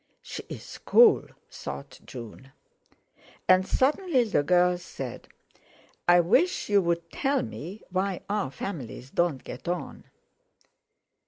'She's cool,' thought June. And suddenly the girl said: "I wish you'd tell me why our families don't get on?"